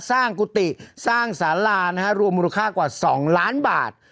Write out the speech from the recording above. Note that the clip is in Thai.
กุฏิสร้างสารานะฮะรวมมูลค่ากว่า๒ล้านบาท